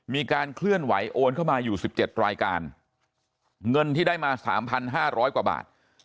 มีการเคลื่อนไหวโอนเข้ามาอยู่๑๗รายการเงินที่ได้มา๓๕๐๐กว่าบาท